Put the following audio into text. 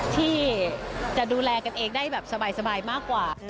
ที่จะดูแลกันเองได้แบบสบายมากกว่า